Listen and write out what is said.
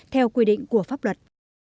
theo quy định của pháp luật